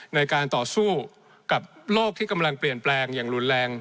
ในการต่อสู้กับโลกที่กำลังเปลี่ยนแปลงอย่างรุนแรง